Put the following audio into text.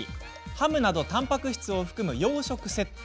ハムなどたんぱく質を含む洋食セット。